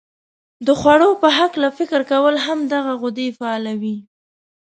د خوړو په هلکه فکر کول هم دغه غدې فعالوي.